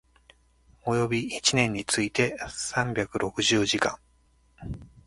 及び一年について三百六十時間